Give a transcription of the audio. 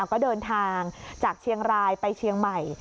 ก็เดินทางจากเชียงรายไปเชียงใหม่